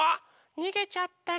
にげちゃったの。